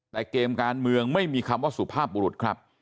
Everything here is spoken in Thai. แต่เกมการเมืองไม่มีคำว่าสุภาพบุรุษครับ